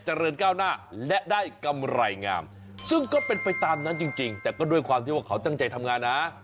เจริญก้าวหน้าและได้กำไรงามซึ่งก็เป็นไปตามนั้นจริงแต่ก็ด้วยความที่ว่าเขาตั้งใจทำงานนะ